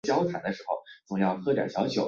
音乐由千住明担当。